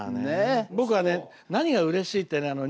僕はね何がうれしいってね